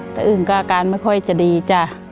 อื่นก็อาการไม่ค่อยจะดีจ้ะ